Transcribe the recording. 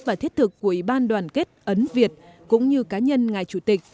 và thiết thực của ủy ban đoàn kết ấn việt cũng như cá nhân ngài chủ tịch